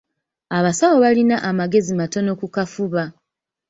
Abasawo bayina amagezi matono ku kafuba.